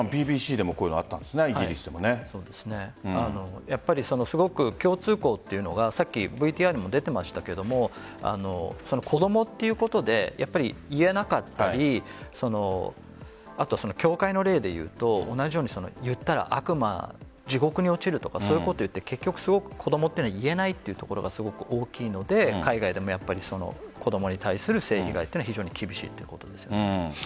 西山さん、イギリスでもＢＢＣでもすごく共通項というのがＶＴＲにも出ていましたけれども子どもということで言えなかったり協会の例で言うと同じように、言ったら悪魔地獄に落ちるとか言って結局、子どもというのは言えないというところが大きいので海外でも子どもに対する性被害に非常に厳しいということです。